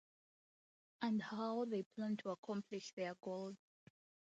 And how they plan to accomplish their goals.